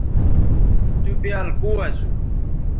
تُو بیال کو اسو